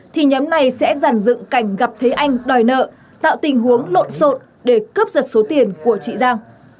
thì nhóm này sẽ giàn dựng cảnh gặp thế anh đòi nợ tạo tình huống lộn xộn để cướp giật số tiền của chị giang